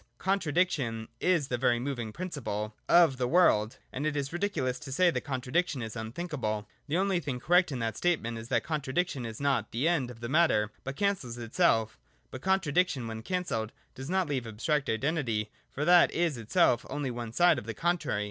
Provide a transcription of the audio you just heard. Contradiction is the very moving principle of the world : and it is ridiculous to say that contradiction is un thinkable. The only thing correct in that statement is that contradiction is not the end of the matter, but cancels itself But contradiction, when cancelled, does not leave abstract identity ; for that is itself only one side of the contrariety.